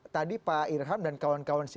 tadi pak irham dan kawan kawan